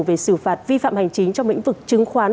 về xử phạt vi phạm hành chính trong mĩnh vực trừng khoán